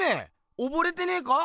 おぼれてねえか？